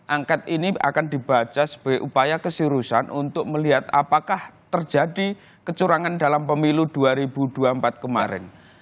angket ini akan dibaca sebagai upaya keseriusan untuk melihat apakah terjadi kecurangan dalam pemilu dua ribu dua puluh empat kemarin